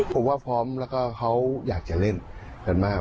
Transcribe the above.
ผมว่าพร้อมแล้วก็เขาอยากจะเล่นกันมาก